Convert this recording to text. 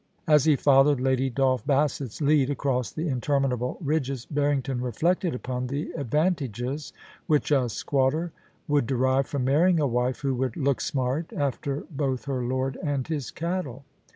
As he followed Lady Dolph Bassett's lead across the interminable ridges, Barrington reflected upon the advant ages which a squatter would derive from marrying a wife who would * look smart ' after both her lord and his cattle.